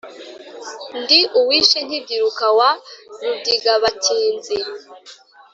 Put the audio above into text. Ndi uwishe nkibyiruka wa Rubyigabakinzi;